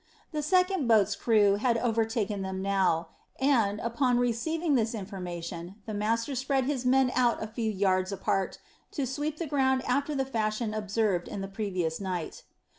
The second boat's crew had overtaken them now, and, upon receiving this information, the master spread his men out a few yards apart, to sweep the ground after the fashion observed on the previous night.